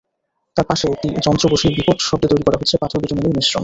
তার পাশে একটি যন্ত্র বসিয়ে বিকট শব্দে তৈরি করা হচ্ছে পাথর-বিটুমিনের মিশ্রণ।